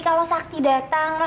kalau sakti datang